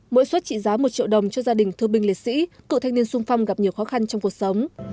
mỗi suất trị giá một triệu đồng cho gia đình thương binh liệt sĩ cựu thanh niên sung phong gặp nhiều khó khăn trong cuộc sống